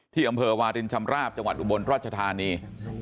อำเภอวารินชำราบจังหวัดอุบลราชธานี